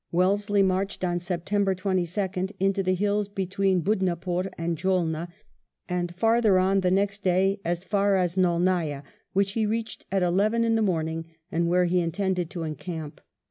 Wellesley marched on September 22nd into the Mils between Budnapore and Jaulna^ and farther on the next day as far as Naulniah, which he reached at eleven in the morning and where he intended to encamp.